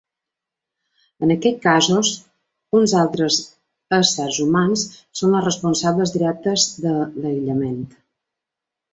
En aquests casos, uns altres éssers humans són els responsables directes de l'aïllament.